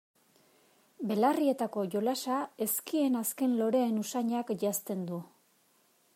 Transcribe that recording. Belarrietako jolasa ezkien azken loreen usainak janzten du.